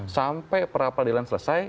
sampai pra peradilan selesai